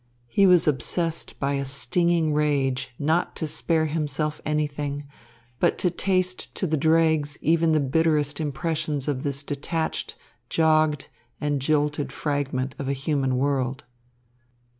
He was obsessed by a stinging rage not to spare himself anything, but to taste to the dregs even the bitterest impressions of this detached, jogged and jolted fragment of a human world.